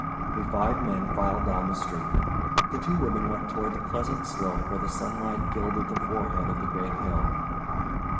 We five men filed down the street. The two women went toward the pleasant slope where the sunlight gilded the forehead of the great hill.